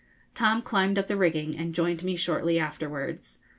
Tom climbed up the rigging and joined me shortly afterwards.